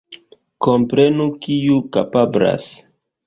Komprenu kiu kapablas.